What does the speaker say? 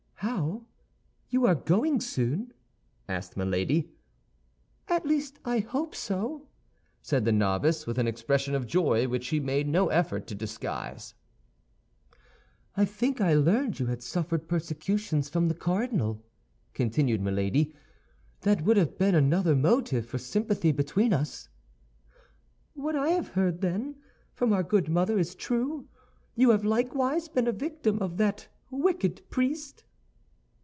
"How, you are going soon?" asked Milady. "At least I hope so," said the novice, with an expression of joy which she made no effort to disguise. "I think I learned you had suffered persecutions from the cardinal," continued Milady; "that would have been another motive for sympathy between us." "What I have heard, then, from our good mother is true; you have likewise been a victim of that wicked priest."